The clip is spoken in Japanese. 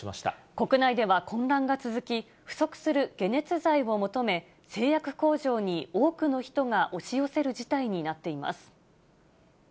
国内では混乱が続き、不足する解熱剤を求め、製薬工場に多くの人が押し寄せる事態になっています。